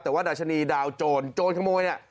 แต่ว่าดัชนีดาวโจรโจรขโมยเนี่ย